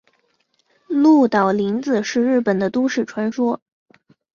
鹿岛零子是日本的都市传说。